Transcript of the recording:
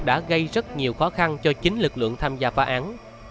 đã gây rất nhiều khó khăn cho chính lực lượng tham gia phá án